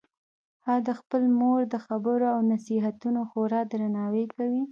هغه د خپلې مور د خبرو او نصیحتونو خورا درناوی کوي